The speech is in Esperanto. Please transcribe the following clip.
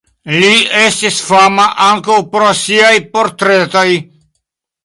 Li estis fama ankaŭ pro siaj portretoj.